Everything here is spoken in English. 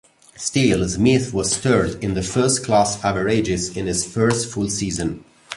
Still, Smith was third in the first-class averages in his first full season.